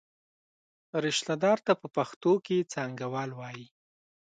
رشته دار ته په پښتو کې څانګوال وایي.